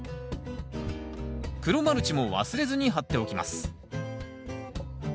黒マルチも忘れずに張っておきます。